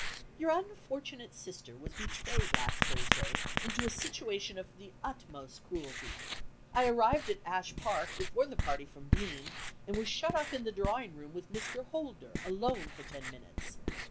"Your unfortunate sister was betrayed last Thursday into a situation of the utmost cruelty. I arrived at Ashe Park before the party from Deane, and was shut up in the drawing room with Mr. Holder alone for ten minutes.